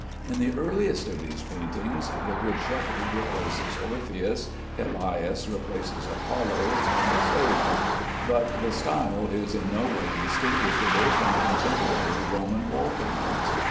In the earliest of these paintings, the Good Shepherd replaces Orpheus, Elias replaces Apollo, and so on, but the style is in no way distinguishable from contemporary Roman wall paintings.